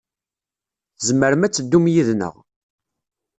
Tzemrem ad teddum yid-neɣ.